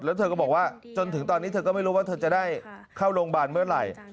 แล้วเธอก็บอกว่าจนถึงตอนนี้เธอก็ไม่รู้ว่าเธอจะได้เข้าโรงพยาบาลเมื่อไหร่